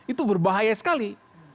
itu berbahaya sekali